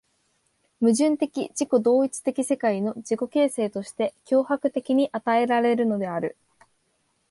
矛盾的自己同一的世界の自己形成として強迫的に与えられるのである。